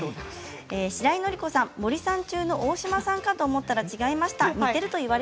しらいのりこさん森三中の大島さんかと思ったら違いました